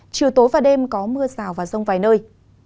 chiều tối và đêm có mưa rào và rông vài nơi